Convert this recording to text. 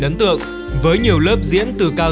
ấn tượng với nhiều lớp diễn từ cao